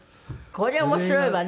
これ面白いわね。